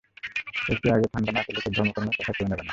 এঁকে আগে ঠাণ্ডা না করলে, তোর ধর্মকর্মের কথা কেউ নেবে না।